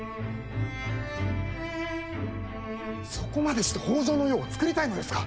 そこまでして北条の世をつくりたいのですか。